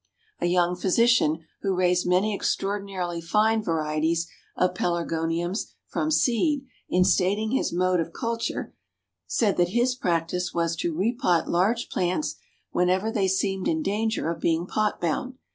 A young physician who raised many extraordinarily fine varieties of Pelargoniums from seed, in stating his mode of culture, said that his practice was to re pot large plants whenever they seemed in danger of being pot bound.